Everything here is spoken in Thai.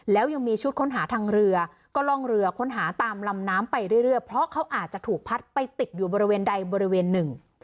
แล้วยังมีชุดค้นหาทางเรือก็ล่องเรือค้นหาตามลำน้ำไปเรื่อยเพราะเขาอาจจะถูกพัดไปติดอยู่บริเวณใดบริเวณหนึ่ง